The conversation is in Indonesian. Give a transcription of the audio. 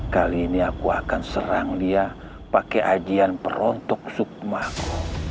kali ini aku akan serang lia pakai ajian perontok sukmahku